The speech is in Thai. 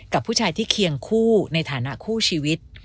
กับผู้ชายที่เคียงคู่ในฐานะคู่ชีวิต